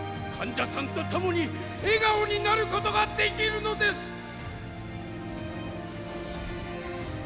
患者さんと共に笑顔になることができるのです！